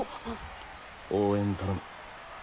応援頼む。